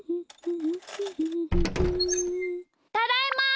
ただいま！